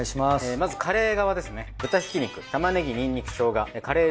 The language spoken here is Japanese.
まずカレー側ですね。